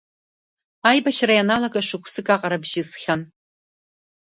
Аибашьра ианалага шықәсык аҟара бжьысхьан.